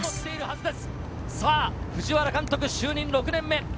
藤原監督就任６年目。